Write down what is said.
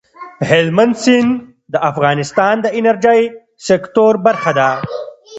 هلمند سیند د افغانستان د انرژۍ سکتور برخه ده.